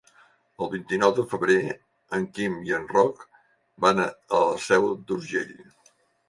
El vint-i-nou de febrer en Quim i en Roc van a la Seu d'Urgell.